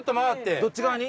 どっち側に？